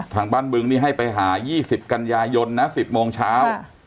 ทางบ้านบึงนี้ให้ไปหายี่สิบกัญญายนนะ๑๐โมงเช้า